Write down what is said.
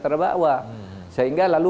terdakwa sehingga lalu